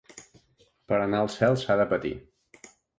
Per anar al cel s'ha de patir.